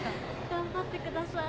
頑張ってください。